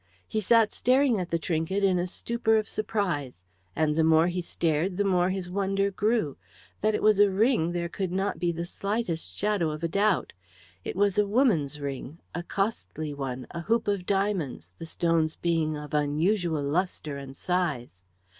He sat staring at the trinket in a stupor of surprise. And the more he stared the more his wonder grew. That it was a ring there could not be the slightest shadow of doubt. It was a woman's ring, a costly one a hoop of diamonds, the stones being of unusual lustre and size.